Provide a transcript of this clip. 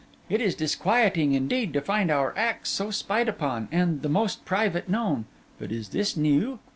It is disquieting, indeed, to find our acts so spied upon, and the most private known. But is this new?